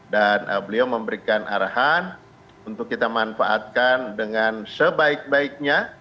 dan beliau memberikan arahan untuk kita manfaatkan dengan sebaik baiknya